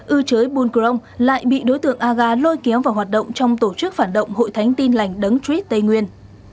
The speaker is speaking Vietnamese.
ưu chới bùn crong lại bị đối tượng aga lôi kéo vào hoạt động trong tổ chức phản động hội thánh tin lành đấng trích tây nguyên